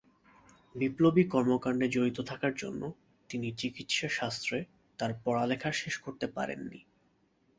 বিপ্লবী কর্মকাণ্ডে জড়িত থাকার জন্য তিনি চিকিৎসা শাস্ত্রে তার পড়ালেখা শেষ করতে পারেননি।